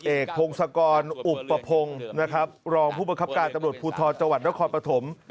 เอกพงศกรอุปพงศ์รองผู้บังคับการณ์ตำรวจภูทธอจนครปฐม